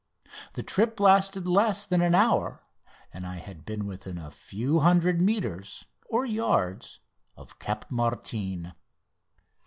The trip had lasted less than an hour, and I had been within a few hundred metres (yards) of Cap Martin.